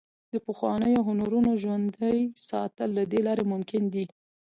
د پخوانیو هنرونو ژوندي ساتل له دې لارې ممکن دي.